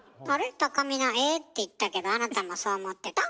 たかみな「えっ？」って言ったけどあなたもそう思ってた？